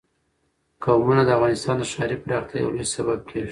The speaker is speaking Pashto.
قومونه د افغانستان د ښاري پراختیا یو لوی سبب کېږي.